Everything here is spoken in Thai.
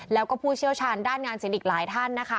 แล้วก็ผู้เชี่ยวชาญด้านงานศิลป์อีกหลายท่านนะคะ